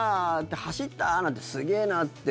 走った！なんて、すげえなって。